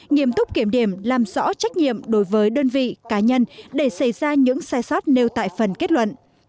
nghiêm túc kiểm điểm làm rõ trách nhiệm đối với đơn vị cá nhân để xảy ra những sai sót nêu tại phần kết luận